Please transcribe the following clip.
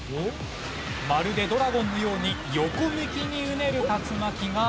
まるでドラゴンのように横向きにうねる竜巻が見られました。